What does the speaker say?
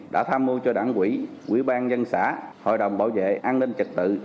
đã tham mưu cho đảng quỹ quỹ ban dân xã hội đồng bảo vệ an ninh trật tự